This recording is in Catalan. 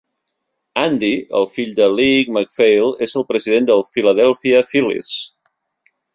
Andy, el fill de Lee MacPhail, és el president dels Philadelphia Phillies.